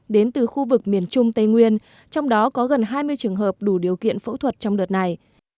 đến từ khu vực miền trung tây nguyên trong đó có gần hai mươi trường hợp đủ điều kiện phẫu thuật trong đợt này